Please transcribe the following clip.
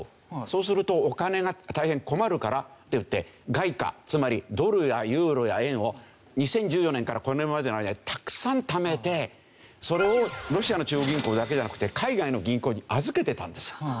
そうするとお金が大変困るからっていって外貨つまりドルやユーロや円を２０１４年からこれまでの間にたくさんためてそれをロシアの中央銀行だけではなくて海外の銀行に預けてたんですよ。